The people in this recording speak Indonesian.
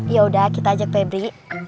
yaudah kita ajak febri